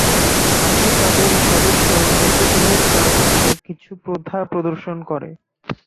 হাতি তাদের সদস্যের মৃতদেহের চারপাশে কিছু প্রথা প্রদর্শন করে।